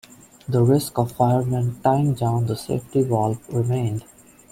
The risk of firemen tying down the safety valve remained.